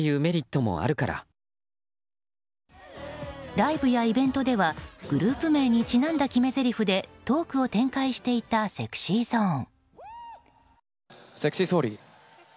ライブやイベントではグループ名にちなんだ決めぜりふでトークを展開していたＳｅｘｙＺｏｎｅ。